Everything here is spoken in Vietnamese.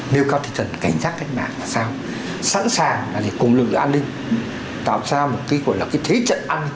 nếu cao thì cần cảnh giác cách mạng là sao sẵn sàng là để cùng lực lượng an ninh tạo ra một cái thế trận an ninh nhân dân thật sự vững chắc